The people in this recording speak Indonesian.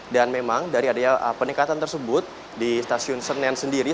dan memang dari adanya peningkatan tersebut di stasiun senen sendiri